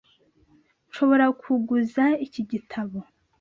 Nshobora kuguza iki gitabo?